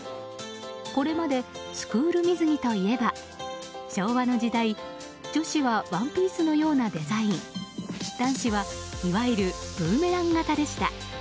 これまでスクール水着といえば昭和の時代、女子はワンピースのようなデザイン男子はいわゆるブーメラン型でした。